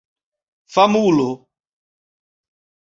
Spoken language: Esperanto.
famulo